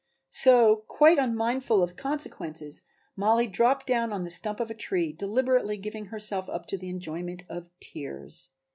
So quite unmindful of consequences Mollie dropped down on the stump of a tree, deliberately giving herself up to the enjoyment of tears.